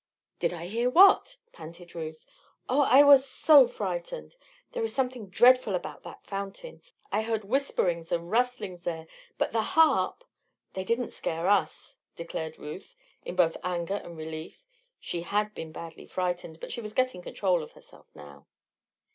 "Did I hear what?" panted Ruth. "Oh! I was so frightened. There is something dreadful about that fountain. I heard whisperings and rustlings there; but the harp " "They did it to scare us," declared Ruth, in both anger and relief. She had been badly frightened, but she was getting control of herself now.